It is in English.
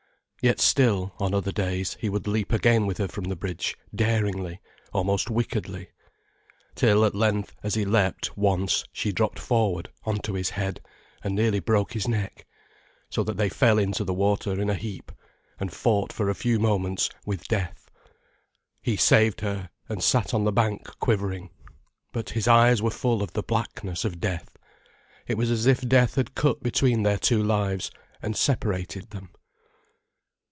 Yet still, on other days, he would leap again with her from the bridge, daringly, almost wickedly. Till at length, as he leapt, once, she dropped forward on to his head, and nearly broke his neck, so that they fell into the water in a heap, and fought for a few moments with death. He saved her, and sat on the bank, quivering. But his eyes were full of the blackness of death. It was as if death had cut between their two lives, and separated them.